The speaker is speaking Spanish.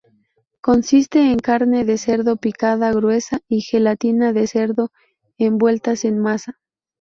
Consiste en carne de cerdo picada gruesa y gelatina de cerdo envueltas en masa.